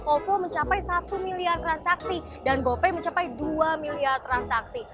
ovo mencapai satu miliar transaksi dan gopay mencapai dua miliar transaksi